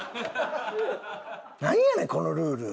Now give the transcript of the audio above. なんやねんこのルール。